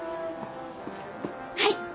はい！